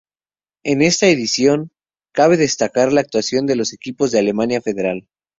En esta edición, cabe destacar la actuación de los equipos de Alemania Federal.